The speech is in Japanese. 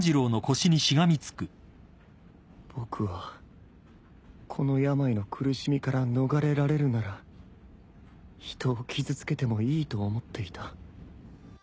僕はこの病の苦しみから逃れられるなら人を傷つけてもいいと思っていた